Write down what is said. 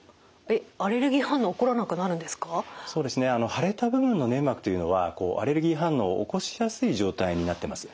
腫れた部分の粘膜というのはアレルギー反応を起こしやすい状態になってます。